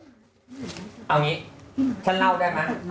เอาอย่างนี้ฉันเล่าได้ไหม